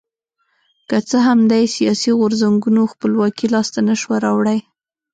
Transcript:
که څه هم دې سیاسي غورځنګونو خپلواکي لاسته نه شوه راوړی.